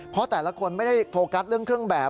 เพราะแต่ละคนไม่ได้โฟกัสเรื่องเครื่องแบบ